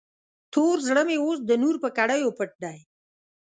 تور زړه مې اوس د نور په کړیو پټ دی.